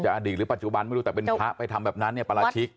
อดีตหรือปัจจุบันไม่รู้แต่เป็นพระไปทำแบบนั้นเนี่ยปราชิก